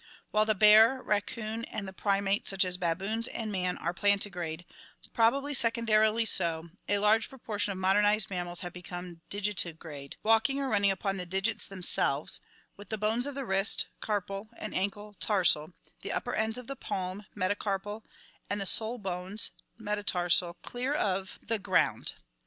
While the bear, raccoon, and the primates such as the baboons and man are plantigrade, probably secondarily so, a large proportion of modernized mammals have become digitigrade (Lat. digitus, finger, toe), walking or running upon the digits themselves, with the bones of the wrist (carpal) and ankle (tarsal), the upper ends of the palm (metacarpal) and the sole bones (metatarsal) clear of CURSORIAL AND FOSSORIAL ADAPTATION the ground.